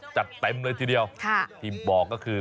จัดเต็มเลยทีเดียวที่บอกก็คือ